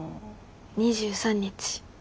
２３日。